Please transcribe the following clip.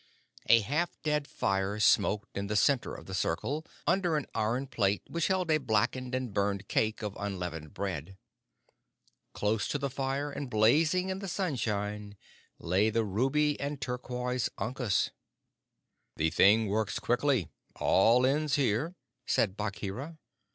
A half dead fire smoked in the center of the circle, under an iron plate which held a blackened and burned cake of unleavened bread. Close to the fire, and blazing in the sunshine, lay the ruby and turquoise ankus. "The thing works quickly; all ends here," said Bagheera.